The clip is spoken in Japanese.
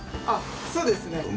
あっそうですね。